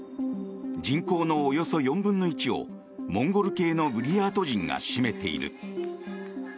人口のおよそ４分の１をモンゴル系のブリヤート人が占めている。